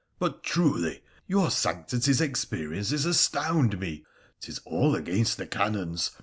' But, truly, your sanctity's experiences astound me ! 'Tis all against the canons.